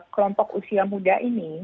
kelompok usia muda ini